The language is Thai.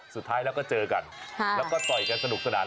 สุดท้ายแล้วก็เจอกันแล้วก็ต่อยกันสนุกสนาน